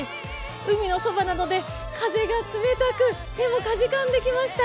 海のそばなので、風が冷たく手もかじかんできました。